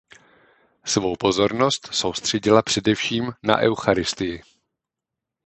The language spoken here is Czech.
Svou pozornost soustředila především na eucharistii.